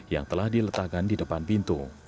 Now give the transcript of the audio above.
yang telah diletakkan di depan pintu